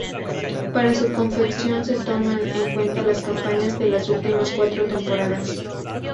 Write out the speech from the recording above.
Para su confección se toman en cuenta las campañas de las últimas cuatro temporadas.